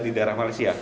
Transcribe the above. di daerah malaysia